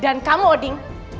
dan kamu odin